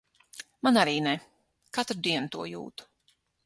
Man arī ne. Katru dienu to jūtu.